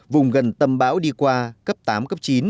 vùng gần tâm bão đi qua cấp tám cấp chín